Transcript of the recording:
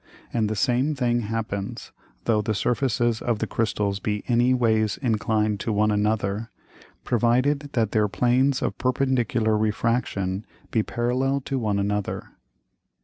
And the same thing happens, though the Surfaces of the Crystals be any ways inclined to one another, provided that their Planes of perpendicular Refraction be parallel to one another.